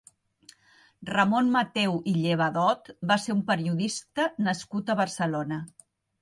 Ramon Mateu i Llevadot va ser un periodista nascut a Barcelona.